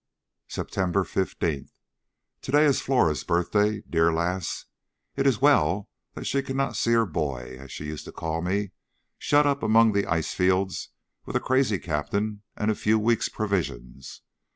September 15th. To day is Flora's birthday. Dear lass! it is well that she cannot see her boy, as she used to call me, shut up among the ice fields with a crazy captain and a few weeks' provisions.